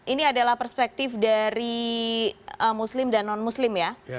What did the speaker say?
ini adalah perspektif dari muslim dan non muslim ya